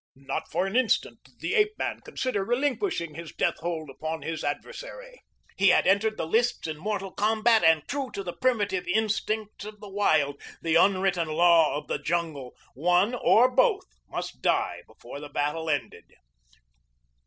Not for an instant did the ape man consider relinquishing his death hold upon his adversary. He had entered the lists in mortal combat and true to the primitive instincts of the wild the unwritten law of the jungle one or both must die before the battle ended.